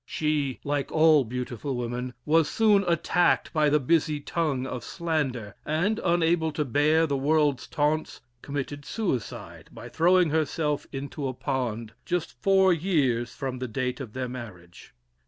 She (like all beautiful women) was soon attacked by the busy tongue of slander, and, unable to bear the world's taunts, committed suicide by throwing herself into a pond, just four years from the date of their marriage.